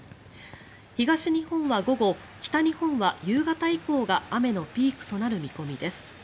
東日本は午後北日本は夕方以降が雨のピークとなる見込みです。